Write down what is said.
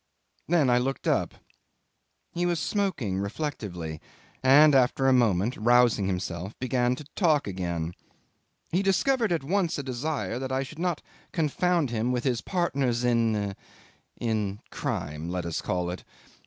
Then I looked up. He was smoking reflectively, and after a moment, rousing himself, began to talk again. He discovered at once a desire that I should not confound him with his partners in in crime, let us call it.